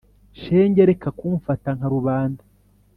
Shenge reka kumfata nka rubanda